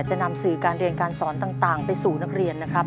จะนำสื่อการเรียนการสอนต่างไปสู่นักเรียนนะครับ